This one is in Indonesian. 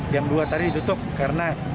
yang dua tadi tutup karena